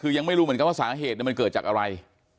คือยังไม่รู้เหมือนกันว่าสาเหตุมันเกิดจากอะไร